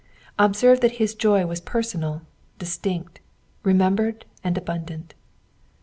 Observe that his joy was personal, distinct, remembered, and abundant.